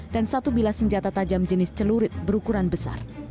dan satu bila senjata tajam jenis celurit berukuran besar